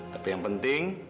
tapi yang penting